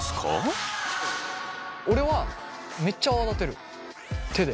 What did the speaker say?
俺はめっちゃ泡立てる手で。